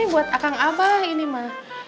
buat akang abah ini ma